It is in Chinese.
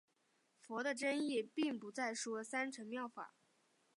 佛的真意并不再说三乘妙法。